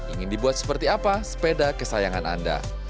ingin dibuat seperti apa sepeda kesayangan anda